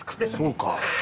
そうか。